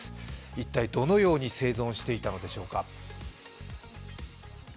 一体どのように生存していたのでしょうか。